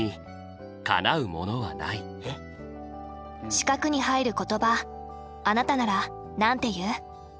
四角に入る言葉あなたならなんて言う？